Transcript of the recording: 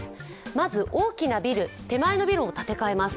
まず大きなビル、手前のビルも建て替えます。